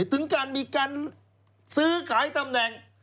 ถึงการมีการซื้อขายตำแหน่ง